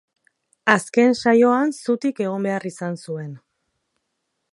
Azken saioan zutik egon behar izan zuen.